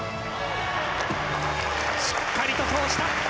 しっかりと通した。